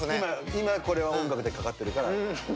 今これは音楽でかかってるから。